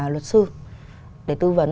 luật sư để tư vấn